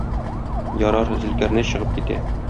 Ярар, Зөлкарнәй чыгып китә.